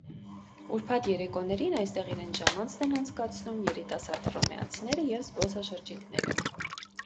Ուրբաթ երեկոներին այստեղ իրենց ժամանցն են անցկացնում երիտասարդ հռոմեացիները և զբոսաշրջիկները։